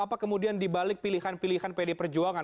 apa kemudian dibalik pilihan pilihan pd perjuangan